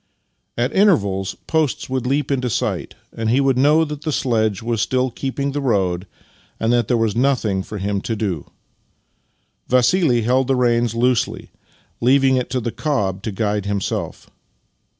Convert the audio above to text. At intervals posts would leap into sight, and he would know that the sledge was still keeping the road and that there was nothing for him to do. Vassili held the reins loosely, leaving it to the cob to guide himself.